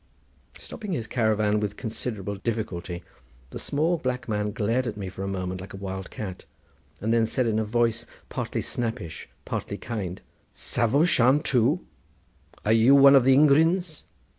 Stopping his caravan with considerable difficulty the small black man glared at me for a moment like a wild cat, and then said in a voice partly snappish, partly kind: "Savo shan tu? Are you one of the Ingrines?"